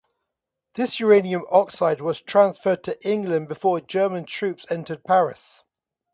This uranium oxide was transferred to England before German troops entered Paris.